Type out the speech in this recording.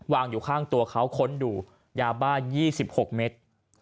วางอยู่ข้างตัวเขาค้นดูยาบ้า๒๖เมตร